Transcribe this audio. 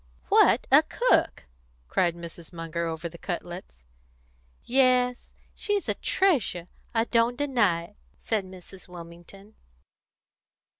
"What a cook!" cried Mrs. Munger, over the cutlets. "Yes, she's a treasure; I don't deny it," said Mrs. Wilmington.